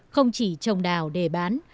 không chỉ trồng đào để bán